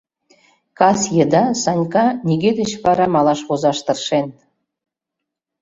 Кас еда Санька нигӧ деч вара малаш возаш тыршен.